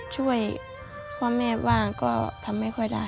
ช่วยพ่อแม่บ้างก็ทำไม่ค่อยได้